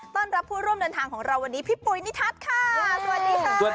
ต้อนรับผู้ร่วมเดินทางของเราวันนี้พี่ปุ๋ยนิทัศน์ค่ะสวัสดีค่ะ